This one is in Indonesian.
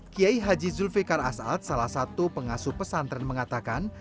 kiai haji zulfiqar as'ad salah satu pengasuh pesantren mengatakan